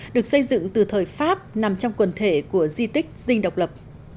được xây dựng từ thời pháp nằm trong quần thể của di tích dinh độc lập